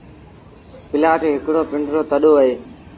پلآٽ هڪڙو پنڊرو تڏو اهي۔